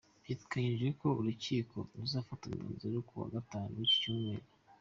Biteganyijwe ko urukiko ruzafata umwanzuro ku wa Gatanu w’iki cyumweru.